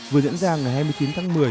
vừa diễn ra ngày hai mươi chín tháng một mươi